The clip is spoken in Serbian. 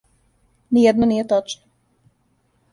Ниједно није тачно.